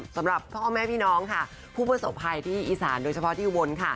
สำหรับพ่อแม่พี่น้องค่ะผู้ประสบภัยที่อีสานโดยเฉพาะที่อุบลค่ะ